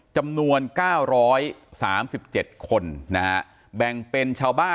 จำนวน๙๓๗คนนะฮะ